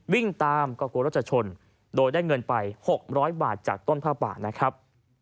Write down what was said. วิ่งตามก็กลัวรถจะชนโดยได้เงินไป๖๐๐บาทจากต้นผ้าป่านะครับ